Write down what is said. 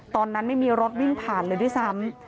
ตอนนั้นไม่มีรถวิ่งผ่านเลยด้วยซ้ำ